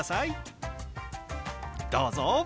どうぞ！